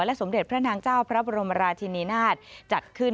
สมเด็จพระนางเจ้าพระบรมราชินีนาฏจัดขึ้น